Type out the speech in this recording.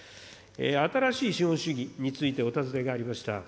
新しい資本主義についてお尋ねがありました。